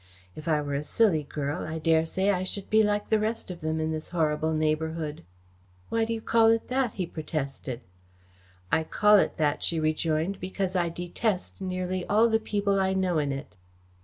If I were a silly girl, I dare say I should be like the rest of them in this horrible neighbourhood." "Why do you call it that?" he protested. "I call it that," she rejoined, "because I detest nearly all the people I know in it."